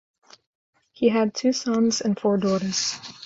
He had two sons and four daughters.